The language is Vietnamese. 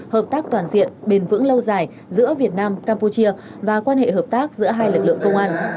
hợp tác toàn diện bền vững lâu dài giữa việt nam campuchia và quan hệ hợp tác giữa hai lực lượng công an